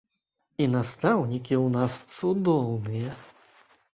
І настаўнікі ў нас цудоўныя.